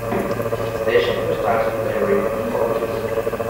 The station first started playing rhythmic oldies.